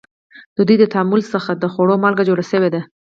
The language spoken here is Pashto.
د دوی د تعامل څخه د خوړو مالګه جوړه شوې ده.